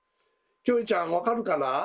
キョエちゃん分かるかな？